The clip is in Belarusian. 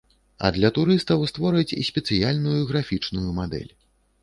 А для турыстаў створаць спецыяльную графічную мадэль.